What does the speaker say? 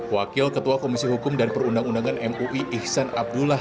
wakil ketua komisi hukum dan perundang undangan mui ihsan abdullah